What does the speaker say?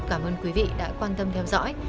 cảm ơn quý vị đã quan tâm theo dõi